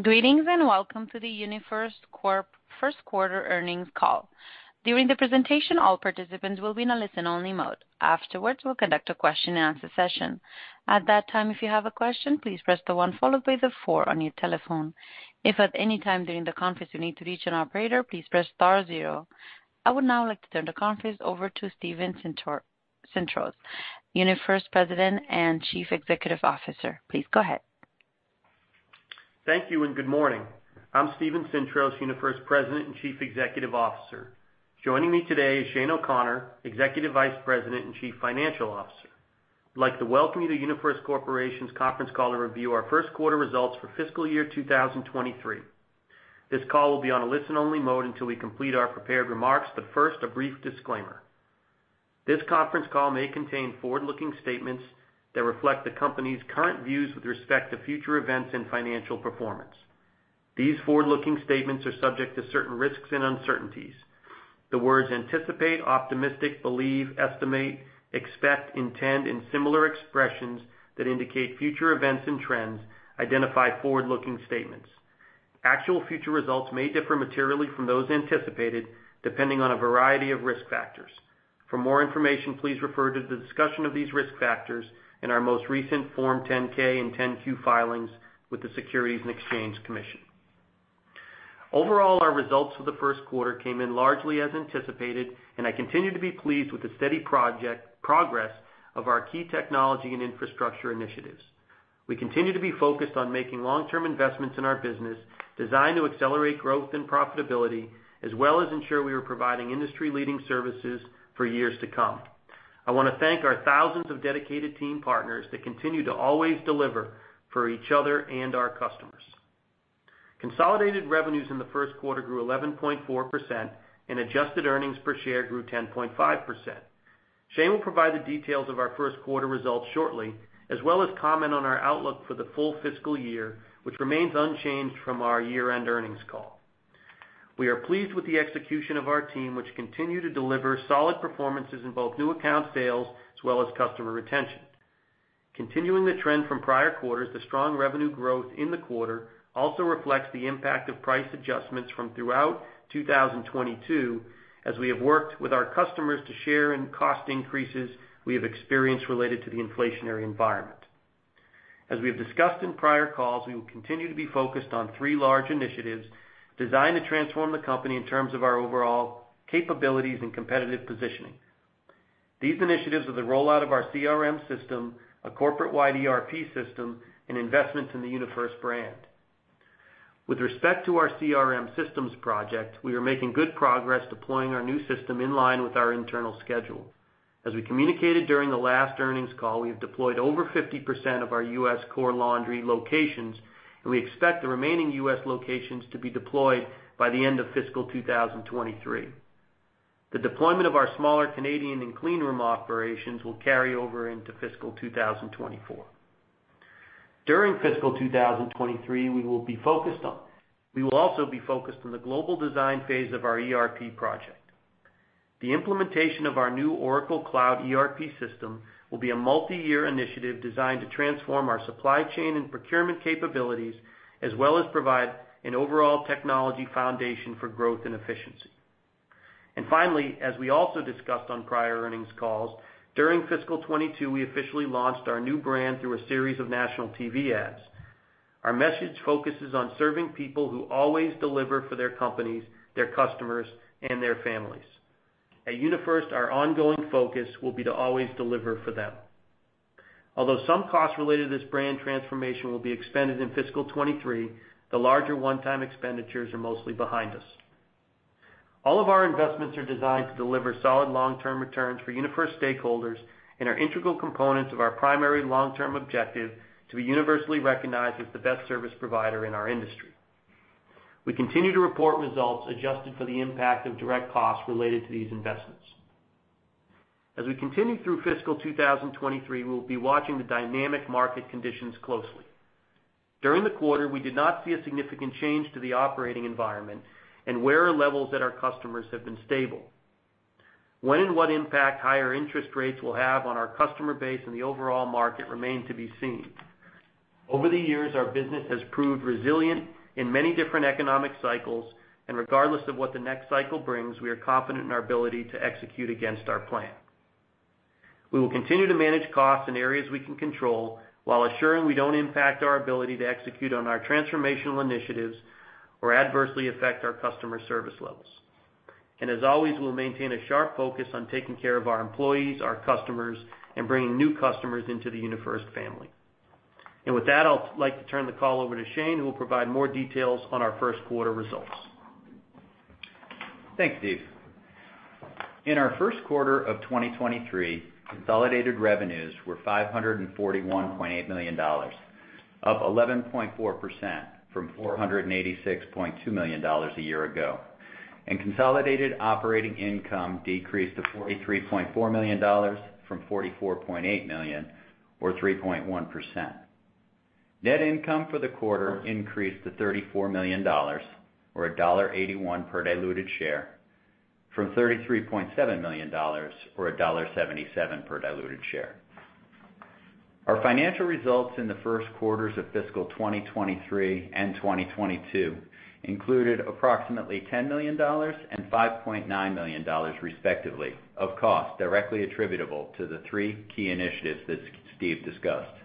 Greetings, welcome to the UniFirst Corp first quarter earnings call. During the presentation, all participants will be in a listen-only mode. Afterwards, we'll conduct a question-and-answer session. At that time, if you have a question, please press the one followed by the four on your telephone. If at any time during the conference you need to reach an operator, please press star 0. I would now like to turn the conference over to Steven Sintros, UniFirst President and Chief Executive Officer. Please go ahead. Thank you, good morning. I'm Steven Sintros, UniFirst President and Chief Executive Officer. Joining me today is Shane O'Connor, Executive Vice President and Chief Financial Officer. I'd like to welcome you to UniFirst Corporation's conference call to review our first quarter results for fiscal year 2023. This call will be on a listen-only mode until we complete our prepared remarks, but first, a brief disclaimer. This conference call may contain forward-looking statements that reflect the company's current views with respect to future events and financial performance. These forward-looking statements are subject to certain risks and uncertainties. The words anticipate, optimistic, believe, estimate, expect, intend, and similar expressions that indicate future events and trends identify forward-looking statements. Actual future results may differ materially from those anticipated, depending on a variety of risk factors. For more information, please refer to the discussion of these risk factors in our most recent Form 10-K and 10-Q filings with the Securities and Exchange Commission. Overall, our results for the first quarter came in largely as anticipated, and I continue to be pleased with the steady progress of our key technology and infrastructure initiatives. We continue to be focused on making long-term investments in our business designed to accelerate growth and profitability, as well as ensure we are providing industry-leading services for years to come. I wanna thank our thousands of dedicated team partners that continue to always deliver for each other and our customers. Consolidated revenues in the first quarter grew 11.4%, and adjusted earnings per share grew 10.5%. Shane will provide the details of our first quarter results shortly, as well as comment on our outlook for the full fiscal year, which remains unchanged from our year-end earnings call. We are pleased with the execution of our team, which continue to deliver solid performances in both new account sales as well as customer retention. Continuing the trend from prior quarters, the strong revenue growth in the quarter also reflects the impact of price adjustments from throughout 2022, as we have worked with our customers to share in cost increases we have experienced related to the inflationary environment. As we have discussed in prior calls, we will continue to be focused on three large initiatives designed to transform the company in terms of our overall capabilities and competitive positioning. These initiatives are the rollout of our CRM system, a corporate-wide ERP system, and investments in the UniFirst brand. With respect to our CRM systems project, we are making good progress deploying our new system in line with our internal schedule. As we communicated during the last earnings call, we have deployed over 50% of our U.S. Core Laundry locations, and we expect the remaining U.S. locations to be deployed by the end of fiscal 2023. The deployment of our smaller Canadian and cleanroom operations will carry over into fiscal 2024. During fiscal 2023, we will also be focused on the global design phase of our ERP project. The implementation of our new Oracle Cloud ERP system will be a multi-year initiative designed to transform our supply chain and procurement capabilities, as well as provide an overall technology foundation for growth and efficiency. Finally, as we also discussed on prior earnings calls, during fiscal 2022, we officially launched our new brand through a series of national TV ads. Our message focuses on serving people who always deliver for their companies, their customers, and their families. At UniFirst, our ongoing focus will be to always deliver for them. Although some costs related to this brand transformation will be expended in fiscal 2023, the larger one-time expenditures are mostly behind us. All of our investments are designed to deliver solid long-term returns for UniFirst stakeholders and are integral components of our primary long-term objective to be universally recognized as the best service provider in our industry. We continue to report results adjusted for the impact of direct costs related to these investments. As we continue through fiscal 2023, we'll be watching the dynamic market conditions closely. During the quarter, we did not see a significant change to the operating environment and wear levels at our customers have been stable. When and what impact higher interest rates will have on our customer base and the overall market remain to be seen. Over the years, our business has proved resilient in many different economic cycles, and regardless of what the next cycle brings, we are confident in our ability to execute against our plan. We will continue to manage costs in areas we can control while assuring we don't impact our ability to execute on our transformational initiatives or adversely affect our customer service levels. As always, we'll maintain a sharp focus on taking care of our employees, our customers, and bringing new customers into the UniFirst family. With that, I'll like to turn the call over to Shane, who will provide more details on our first quarter results. Thanks, Steve. In our first quarter of 2023, consolidated revenues were $541.8 million, up 11.4% from $486.2 million a year ago. Consolidated operating income decreased to $43.4 million from $44.8 million, or 3.1%. Net income for the quarter increased to $34 million or $1.81 per diluted share. From $33.7 million or $1.77 per diluted share. Our financial results in the first quarters of fiscal 2023 and 2022 included approximately $10 million and $5.9 million respectively of cost directly attributable to the three key initiatives that Steve discussed.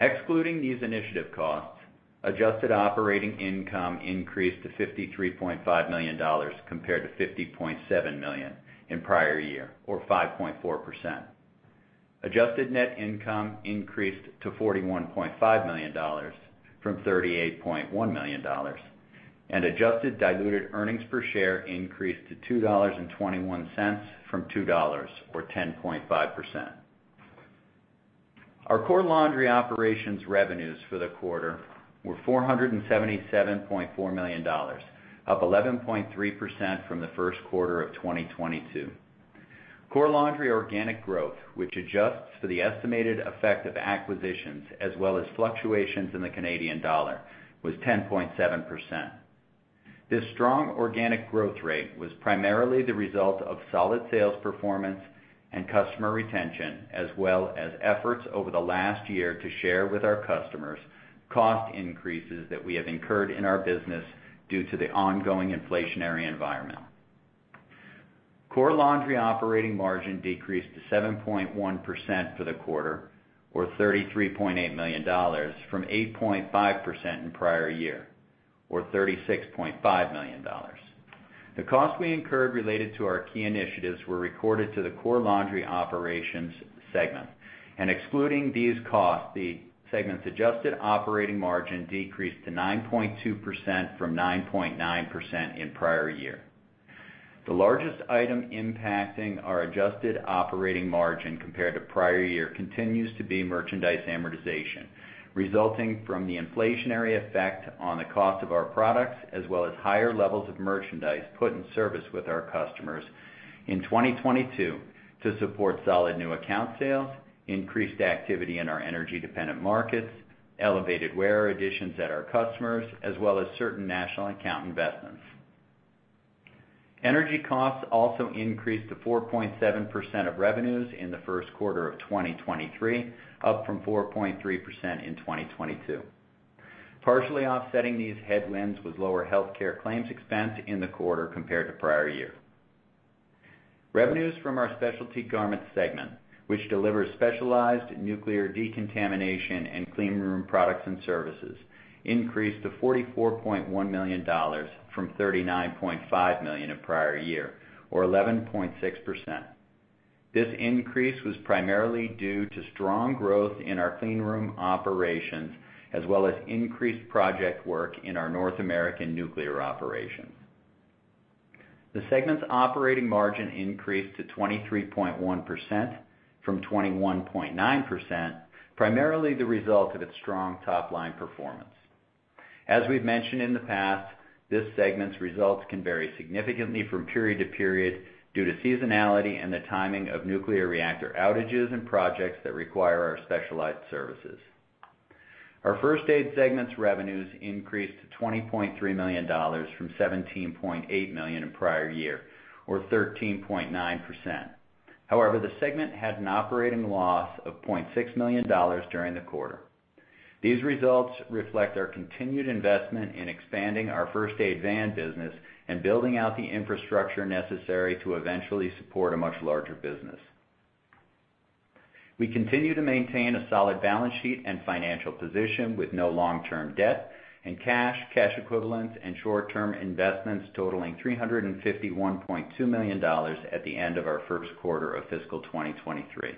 Excluding these initiative costs, adjusted operating income increased to $53.5 million compared to $50.7 million in prior year or 5.4%. Adjusted net income increased to $41.5 million from $38.1 million. Adjusted diluted earnings per share increased to $2.21 from $2.00 or 10.5%. Our Core Laundry Operations revenues for the quarter were $477.4 million, up 11.3% from the first quarter of 2022. Core Laundry organic growth, which adjusts for the estimated effect of acquisitions as well as fluctuations in the Canadian dollar, was 10.7%. This strong organic growth rate was primarily the result of solid sales performance and customer retention, as well as efforts over the last year to share with our customers cost increases that we have incurred in our business due to the ongoing inflationary environment. Core Laundry operating margin decreased to 7.1% for the quarter or $33.8 million from 8.5% in prior year or $36.5 million. The cost we incurred related to our key initiatives were recorded to the Core Laundry Operations segment. Excluding these costs, the segment's adjusted operating margin decreased to 9.2% from 9.9% in prior year. The largest item impacting our adjusted operating margin compared to prior year continues to be merchandise amortization, resulting from the inflationary effect on the cost of our products, as well as higher levels of merchandise put in service with our customers in 2022 to support solid new account sales, increased activity in our energy-dependent markets, elevated wearer additions at our customers, as well as certain national account investments. Energy costs also increased to 4.7% of revenues in the first quarter of 2023, up from 4.3% in 2022. Partially offsetting these headwinds was lower healthcare claims expense in the quarter compared to prior year. Revenues from our Specialty Garments segment, which delivers specialized nuclear decontamination and cleanroom products and services, increased to $44.1 million from $39.5 million in prior year or 11.6%. This increase was primarily due to strong growth in our cleanroom operations, as well as increased project work in our North American nuclear operations. The segment's operating margin increased to 23.1% from 21.9%, primarily the result of its strong top-line performance. As we've mentioned in the past, this segment's results can vary significantly from period to period due to seasonality and the timing of nuclear reactor outages and projects that require our specialized services. Our First Aid segment's revenues increased to $20.3 million from $17.8 million in prior year or 13.9%. The segment had an operating loss of $0.6 million during the quarter. These results reflect our continued investment in expanding our First Aid van business and building out the infrastructure necessary to eventually support a much larger business. We continue to maintain a solid balance sheet and financial position with no long-term debt and cash equivalents, and short-term investments totaling $351.2 million at the end of our first quarter of fiscal 2023.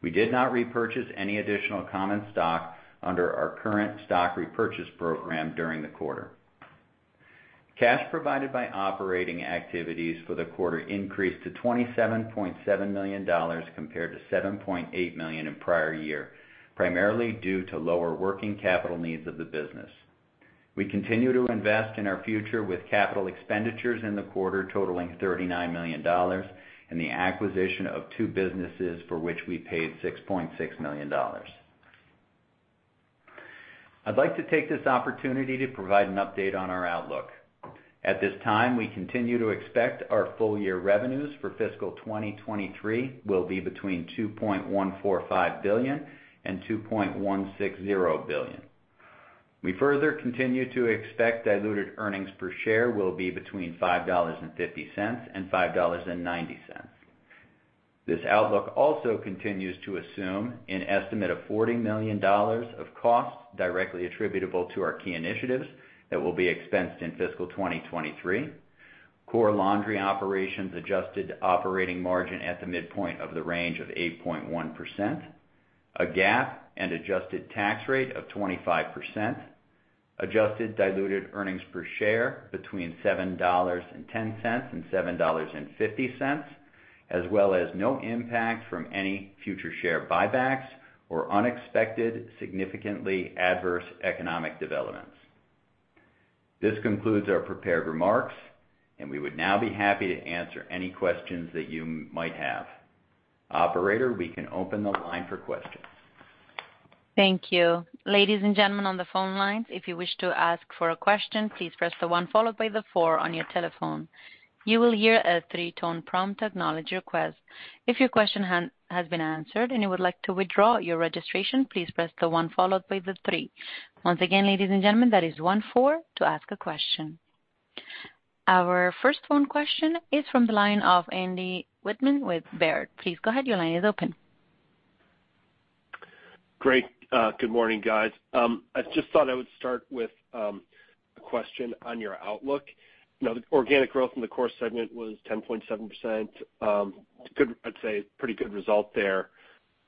We did not repurchase any additional common stock under our current stock repurchase program during the quarter. Cash provided by operating activities for the quarter increased to $27.7 million compared to $7.8 million in prior year, primarily due to lower working capital needs of the business. We continue to invest in our future with capital expenditures in the quarter totaling $39 million and the acquisition of two businesses for which we paid $6.6 million. I'd like to take this opportunity to provide an update on our outlook. At this time, we continue to expect our full year revenues for fiscal 2023 will be between $2.145 billion and $2.160 billion. We further continue to expect diluted earnings per share will be between $5.50 and $5.90. This outlook also continues to assume an estimate of $40 million of costs directly attributable to our key initiatives that will be expensed in fiscal 2023. Core Laundry Operations adjusted operating margin at the midpoint of the range of 8.1%, a GAAP and adjusted tax rate of 25%, adjusted diluted earnings per share between $7.10 and $7.50, as well as no impact from any future share buybacks or unexpected, significantly adverse economic developments. This concludes our prepared remarks, and we would now be happy to answer any questions that you might have. Operator, we can open the line for questions. Thank you. Ladies and gentlemen on the phone lines, if you wish to ask for a question, please press the one followed by the four on your telephone. You will hear a three-tone prompt acknowledge your request. If your question has been answered and you would like to withdraw your registration, please press the one followed by the three. Once again, ladies and gentlemen, that is one-four to ask a question. Our first phone question is from the line of Andy Wittmann with Baird. Please go ahead. Your line is open. Great. Good morning, guys. I just thought I would start with a question on your outlook. You know, the organic growth in the core segment was 10.7%. I'd say pretty good result there.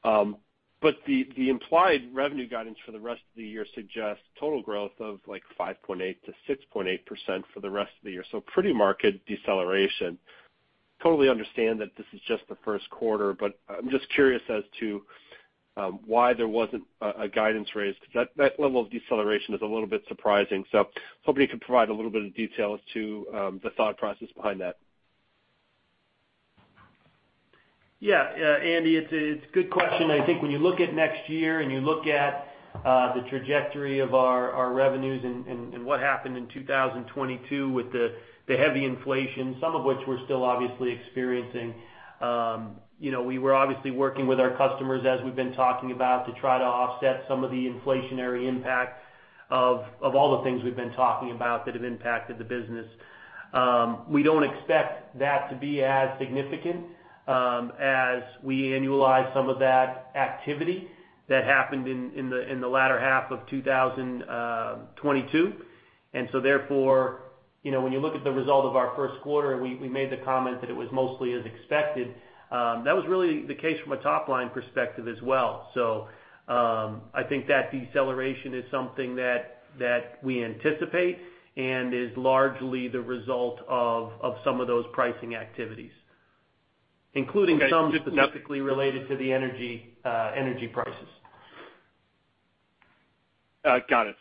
The implied revenue guidance for the rest of the year suggests total growth of, like, 5.8%-6.8% for the rest of the year, so pretty market deceleration. Totally understand that this is just the first quarter, but I'm just curious as to why there wasn't a guidance raise because that level of deceleration is a little bit surprising. Hoping you could provide a little bit of detail as to the thought process behind that. Yeah. Andy, it's a good question. I think when you look at next year and you look at the trajectory of our revenues and what happened in 2022 with the heavy inflation, some of which we're still obviously experiencing, you know, we were obviously working with our customers as we've been talking about, to try to offset some of the inflationary impact of all the things we've been talking about that have impacted the business. We don't expect that to be as significant as we annualize some of that activity that happened in the latter half of 2022. Therefore, you know, when you look at the result of our first quarter and we made the comment that it was mostly as expected, that was really the case from a top-line perspective as well. I think that deceleration is something that we anticipate and is largely the result of some of those pricing activities, including some specifically related to the energy prices. Got it.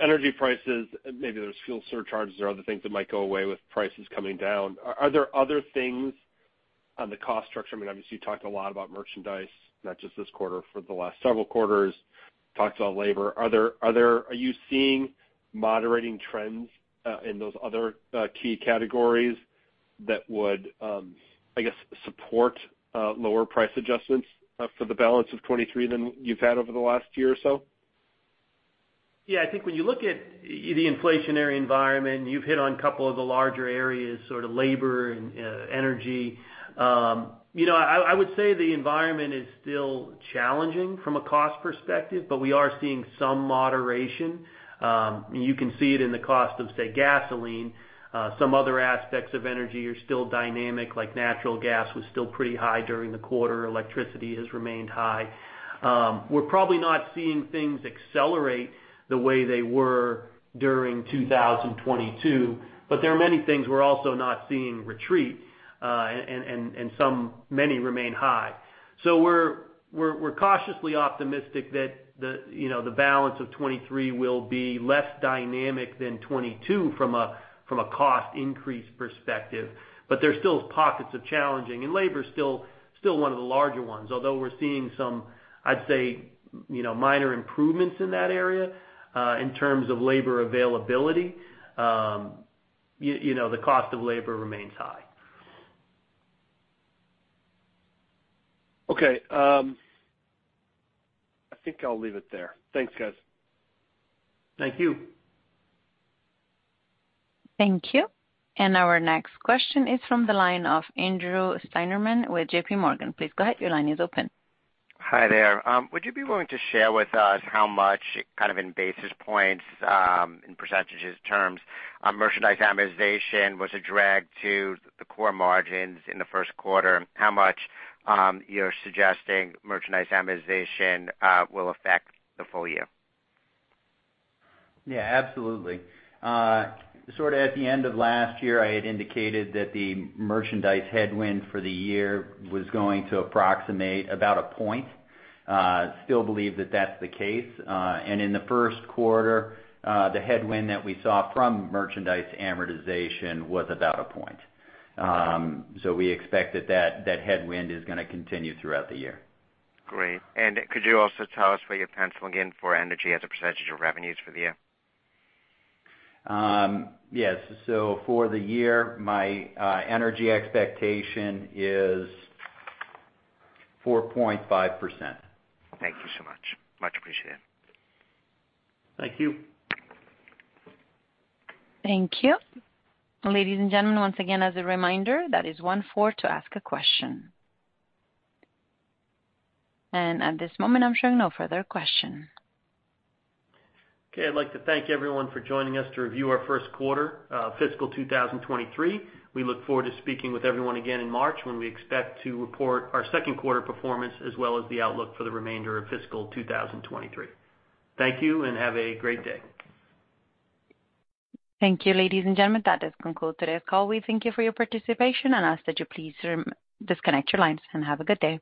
Energy prices, maybe there's fuel surcharges or other things that might go away with prices coming down. Are you seeing moderating trends in those other key categories that would, I guess, support lower price adjustments for the balance of 2023 than you've had over the last year or so? Yeah, I think when you look at the inflationary environment, you've hit on a couple of the larger areas, sort of labor and energy. You know, I would say the environment is still challenging from a cost perspective, but we are seeing some moderation. You can see it in the cost of, say, gasoline. Some other aspects of energy are still dynamic, like natural gas was still pretty high during the quarter. Electricity has remained high. We're probably not seeing things accelerate the way they were during 2022, but there are many things we're also not seeing retreat, and many remain high. We're cautiously optimistic that the, you know, the balance of 2023 will be less dynamic than 2022 from a cost increase perspective. There's still pockets of challenging, and labor is still one of the larger ones. Although we're seeing some, I'd say, you know, minor improvements in that area, in terms of labor availability, you know, the cost of labor remains high. I think I'll leave it there. Thanks, guys. Thank you. Thank you. Our next question is from the line of Andrew Steinerman with JPMorgan. Please go ahead. Your line is open. Hi, there. Would you be willing to share with us how much, kind of in basis points, in percentages terms, merchandise amortization was a drag to the core margins in the first quarter? How much you're suggesting merchandise amortization will affect the full year? Absolutely. Sort of at the end of last year, I had indicated that the merchandise headwind for the year was going to approximate about a point. Still believe that that's the case. In the first quarter, the headwind that we saw from merchandise amortization was about a point. We expect that that headwind is gonna continue throughout the year. Great. Could you also tell us what you're penciling in for energy as a percentage of revenues for the year? Yes. For the year, my energy expectation is 4.5%. Thank you so much. Much appreciated. Thank you. Thank you. Ladies and gentlemen, once again, as a reminder, that is one-four to ask a question. At this moment, I'm showing no further question. Okay. I'd like to thank everyone for joining us to review our first quarter, fiscal 2023. We look forward to speaking with everyone again in March when we expect to report our second quarter performance as well as the outlook for the remainder of fiscal 2023. Thank you and have a great day. Thank you, ladies and gentlemen. That does conclude today's call. We thank you for your participation and ask that you please disconnect your lines and have a good day.